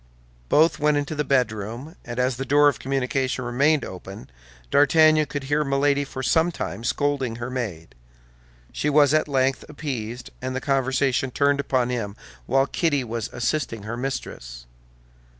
Both went into the bedroom, and as the door of communication remained open, D'Artagnan could hear Milady for some time scolding her maid. She was at length appeased, and the conversation turned upon him while Kitty was assisting her mistress.